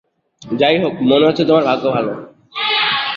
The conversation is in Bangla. যাইহোক মনে হচ্ছে তোমার ভাগ্য ভালো।